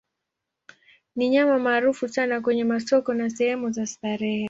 Ni nyama maarufu sana kwenye masoko na sehemu za starehe.